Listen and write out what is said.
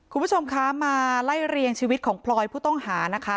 คุณผู้ชมคะมาไล่เรียงชีวิตของพลอยผู้ต้องหานะคะ